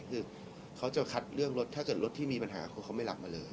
คือเขาจะคัดเรื่องรถถ้าเกิดรถที่มีปัญหาคือเขาไม่หลับมาเลย